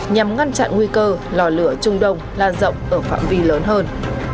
nhằm ngăn chặn nguy cơ lò lửa trung đông lan rộng ở phạm vi lớn hơn